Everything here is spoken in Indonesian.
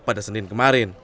pada senin kemarin